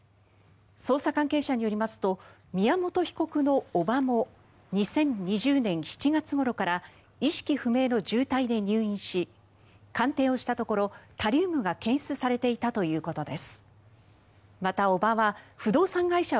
捜査関係者によりますと宮本被告の叔母も２０２０年７月ごろから意識不明の重体で入院し鑑定をしたところ、タリウムが検出されていたということです。